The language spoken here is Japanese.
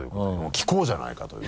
聞こうじゃないかという。